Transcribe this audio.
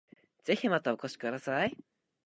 ぜひまたお越しください